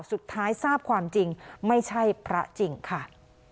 สุดท้ายทราบความจริงไม่ใช่พระจริงค่ะ